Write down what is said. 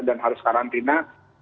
dan harus karantina